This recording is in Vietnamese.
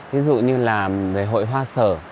ví dụ như là hội hoa sơ